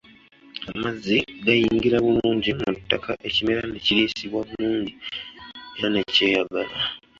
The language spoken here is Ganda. Amazzi gayingira bulungi mu ttak ekimera ne kiriisibwa bulungi era ne kyeyagala.